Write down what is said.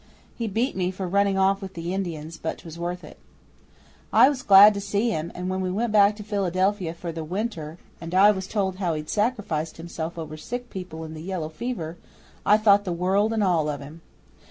He beat me for running off with the Indians, but 'twas worth it I was glad to see him, and when we went back to Philadelphia for the winter, and I was told how he'd sacrificed himself over sick people in the yellow fever, I thought the world and all of him.